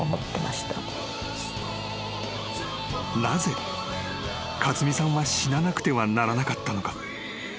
［なぜ勝美さんは死ななくてはならなかったのか？］